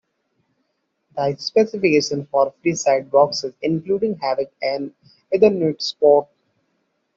The specification for Freesat boxes includes having an Ethernet port.